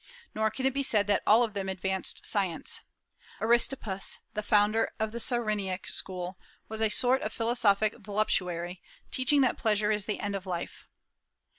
Nor can it be said that all of them advanced science. Aristippus, the founder of the Cyreniac school, was a sort of philosophic voluptuary, teaching that pleasure is the end of life.